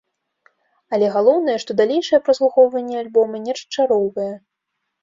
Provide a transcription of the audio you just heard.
Але галоўнае, што далейшае праслухоўванне альбома не расчароўвае.